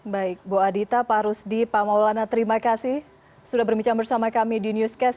baik bu adita pak rusdi pak maulana terima kasih sudah berbincang bersama kami di newscast